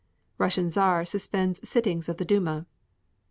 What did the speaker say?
Russian Czar suspends sittings of the Duma.